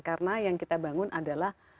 karena yang kita bangun adalah